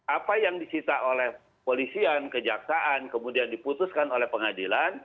apa yang disita oleh polisian kejaksaan kemudian diputuskan oleh pengadilan